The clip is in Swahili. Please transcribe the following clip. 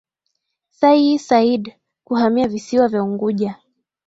Sayyi Said kuhamia visiwa vya Unguja